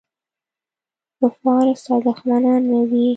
کفار ستا دښمنان نه دي.